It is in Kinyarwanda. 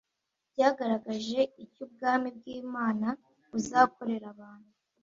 byagaragaje icyo Ubwami bw Imana buzakorera abantu